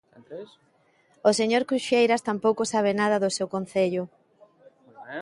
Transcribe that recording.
O señor Cruxeiras tampouco sabe nada do seu concello.